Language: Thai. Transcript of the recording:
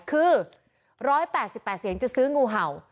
คือ๑๘๘เสียงจะซื้องูเห่า